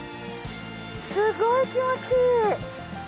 すごい気持ちいい。